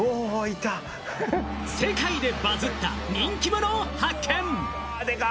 世界でバズった人気者を発見！